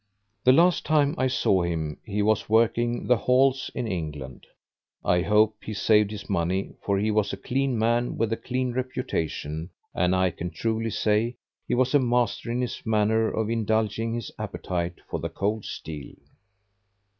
The last time I saw him he was working the "halls" in England. I hope he saved his money, for he was a clean man with a clean reputation, and, I can truly say, he was a master in his manner of indulging his appetite for the cold steel.